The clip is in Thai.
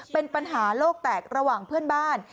เป็นปัญหาโลกแตกระหว่างเพื่อนบ้าน